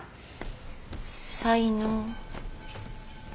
才能。